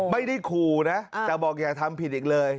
ไม่ได้ขู่นะแต่บอกอย่าทำผิดอีกเลย